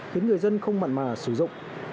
khiến người dân không mặn mà sử dụng